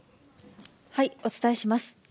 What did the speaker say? お伝えします。